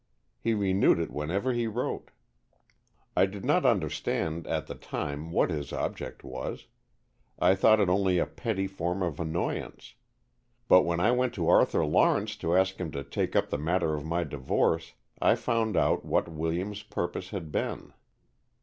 He renewed it whenever he wrote. I did not understand at the time what his object was. I thought it only a petty form of annoyance. But when I went to Arthur Lawrence to ask him to take up the matter of my divorce, I found out what William's purpose had been.